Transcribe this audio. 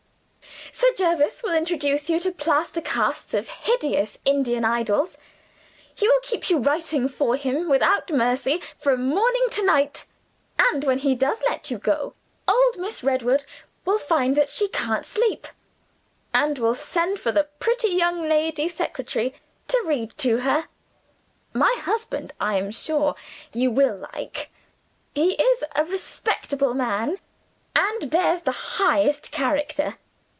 Sir Jervis will introduce you to plaster casts of hideous Indian idols; he will keep you writing for him, without mercy, from morning to night; and when he does let you go, old Miss Redwood will find she can't sleep, and will send for the pretty young lady secretary to read to her. My husband I am sure you will like. He is a respectable man, and bears the highest character.